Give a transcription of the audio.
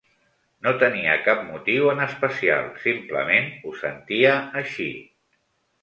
No tenia cap motiu en especial, simplement ho sentia així.